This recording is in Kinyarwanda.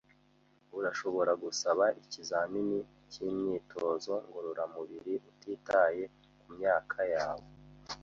Urashobora gusaba ikizamini cyimyitozo ngororamubiri utitaye kumyaka yawe.